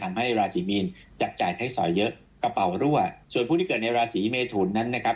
ราศีมีนจับจ่ายใช้สอยเยอะกระเป๋ารั่วส่วนผู้ที่เกิดในราศีเมทุนนั้นนะครับ